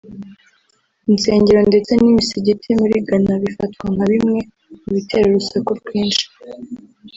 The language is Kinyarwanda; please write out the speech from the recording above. Insengero ndetse n’imisigiti muri Ghana bifatwa nka bimwe mu bitera urusaku rwinshi